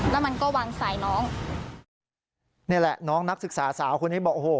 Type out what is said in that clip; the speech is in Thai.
แล้วมันก็วางสายน้องนี่แหละน้องนักศึกษาสาวคนนี้บอกโอ้โห